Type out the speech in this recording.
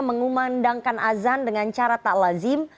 mengumandangkan azan dengan cara tak lazim